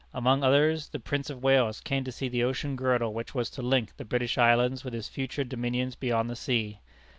Among others, the Prince of Wales came to see the ocean girdle which was to link the British islands with his future dominions beyond the sea.